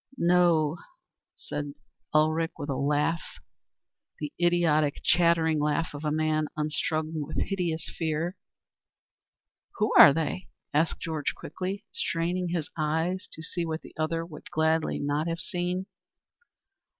"No," said Ulrich with a laugh, the idiotic chattering laugh of a man unstrung with hideous fear. "Who are they?" asked Georg quickly, straining his eyes to see what the other would gladly not have seen.